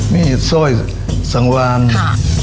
นี่สร้อยสังวารค่ะ